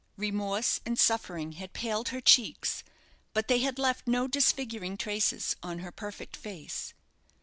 Remorse and suffering had paled her cheeks; but they had left no disfiguring traces on her perfect face.